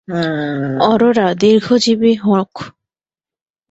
অরোরা, দীর্ঘজীবী হোক।